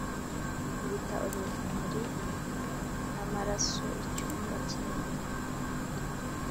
kubita urumuri, n'amaraso icyumba kinini.